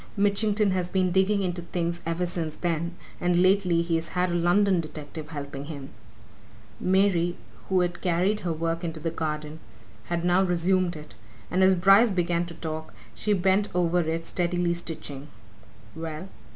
Mitchington has been digging into things ever since then, and lately he's had a London detective helping him." Mary, who had carried her work into the garden, had now resumed it, and as Bryce began to talk she bent over it steadily stitching. "Well?"